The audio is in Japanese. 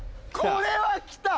「これはきた！」